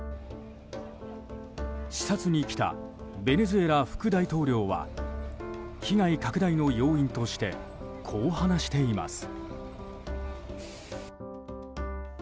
視察に来たベネズエラ副大統領は被害拡大の要因としてこう話しています。